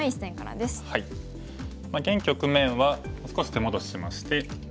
現局面は少し手戻ししまして。